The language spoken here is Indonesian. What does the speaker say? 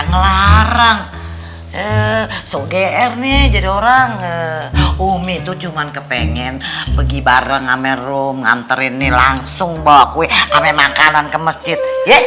muncul kash is kok kayak gini ini ini karena gue erang pengg accountable dia ngasih barku itu itu dia dijoan